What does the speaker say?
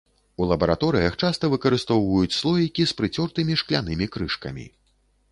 У лабараторыях часта выкарыстоўваюць слоікі з прыцёртымі шклянымі крышкамі.